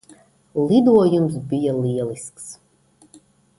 Lidojums bija lielisks.